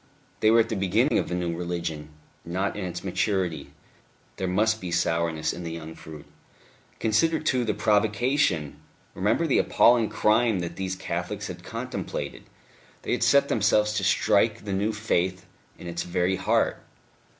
They were at the beginning of the new religion, not in its maturity; there must be sourness in the young fruit. ... Consider, too, the provocation! Remember the appalling crime that these Catholics had contemplated; they had set themselves to strike the new Faith in its very heart....